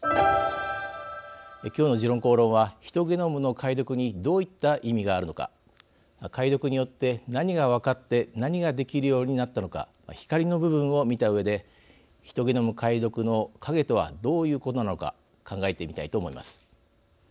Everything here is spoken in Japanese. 今日の「時論公論」はヒトゲノムの解読にどういった意味があるのか解読によって何が分かって何ができるようになったのか光の部分を見たうえでヒトゲノム解読の影とはどういうことなのか考えてみたいと思います。